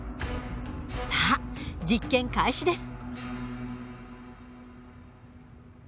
さあ実験開始です。